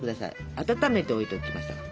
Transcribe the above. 温めておいておきましたから。